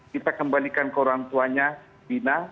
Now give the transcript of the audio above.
kita kembalikan ke orang tuanya bina